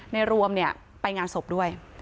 ในรวมเนี่ยไปงานศพด้วย